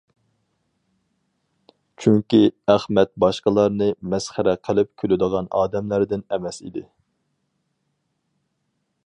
چۈنكى، ئەخمەت باشقىلارنى مەسخىرە قىلىپ كۈلىدىغان ئادەملەردىن ئەمەس ئىدى.